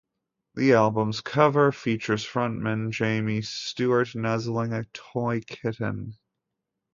The album's cover features frontman Jamie Stewart nuzzling a toy kitten.